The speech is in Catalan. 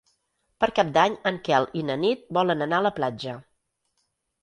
Per Cap d'Any en Quel i na Nit volen anar a la platja.